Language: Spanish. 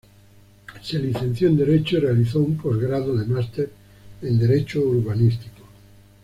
Se licenció en Derecho y realizó un postgrado de máster en Derecho Urbanístico.